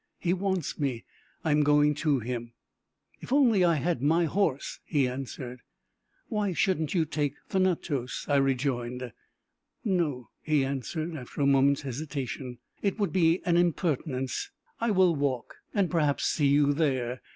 "He wants me. I am going to him." "If only I had my horse!" he answered. "Why shouldn't you take Thanatos?" I rejoined. "No," he answered, after a moment's hesitation. "It would be an impertinence. I will walk, and perhaps see you there.